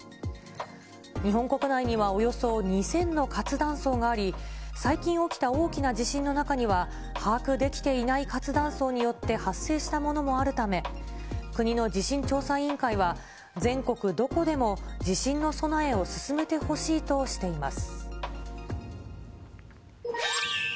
日本国内にはおよそ２０００の活断層があり、最近起きた大きな地震の中には、把握できていない活断層によって発生したものもあるため、国の地震調査委員会は、全国どこでも地震の備えを進めてほしいとしています。